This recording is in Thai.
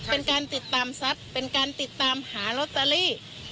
เป็นการติดตามทรัพย์เป็นการติดตามหาลอตเตอรี่